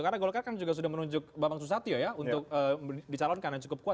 karena golkar kan sudah menunjuk bapak susatyo ya untuk dicalonkan yang cukup kuat